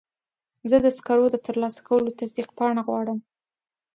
زه د سکرو د ترلاسه کولو تصدیق پاڼه غواړم.